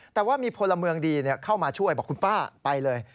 แต่ว่ามีพลเมืองดีเข้ามาช่วยบอกคุณป้าไปเลย